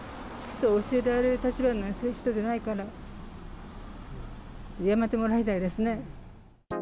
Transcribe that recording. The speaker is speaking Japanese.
人を教えられる立場の人じゃないから、辞めてもらいたいですね。